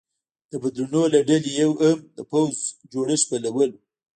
د بدلونونو له ډلې یو هم د پوځ جوړښت بدلول و